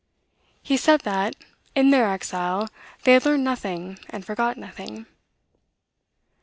He said that, "in their exile, they had learned nothing, and forgot nothing."